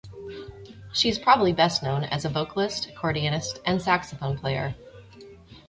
She is probably best known as a vocalist, accordionist and saxophone-player.